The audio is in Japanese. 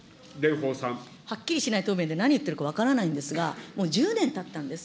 はっきりしない答弁で、何言ってるか分からないんですが、もう１０年たったんです。